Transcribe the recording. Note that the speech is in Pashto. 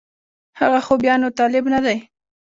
هغه خو بیا نور طالب نه دی